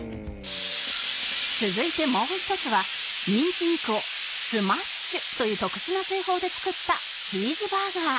続いてもう一つはミンチ肉をスマッシュという特殊な製法で作ったチーズバーガー